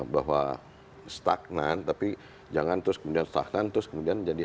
bahwa stagnan tapi jangan terus kemudian stagnan terus kemudian jadi